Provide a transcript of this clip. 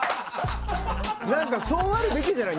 そうあるべきじゃない？